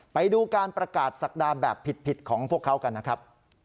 ไปดูการประกาศศักดาแบบผิดของพวกเขากันนะครับ